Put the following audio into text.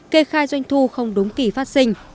kê khai doanh thu không đúng kỳ phát sinh